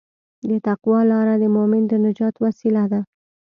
د تقوی لاره د مؤمن د نجات وسیله ده.